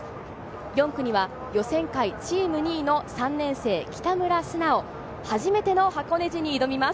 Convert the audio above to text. ４区には予選会チーム２位の３年生・北村惇生、初めての箱根路に挑みます。